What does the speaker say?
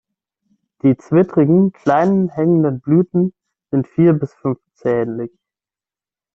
Die zwittrigen, kleinen, hängenden, Blüten sind vier- bis fünfzählig.